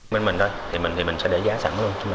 mình mình thôi thì mình sẽ để giá sẵn luôn